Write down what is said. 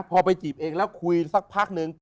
พอไปจีบเองแล้วคุยสักพักนึง